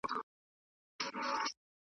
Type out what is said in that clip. ویل زما پر وینا غوږ نیسۍ مرغانو .